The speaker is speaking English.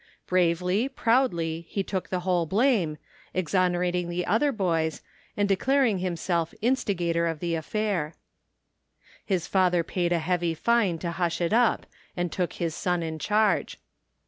Bravely, proudly, he took the whole blame, exonerating the other boys, and declaring himself itt stigator of the affair. His father paid ^ heavy fine to hush it up and took his son in charge.